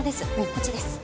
こっちです。